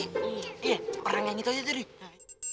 iya orangnya itu aja itu dia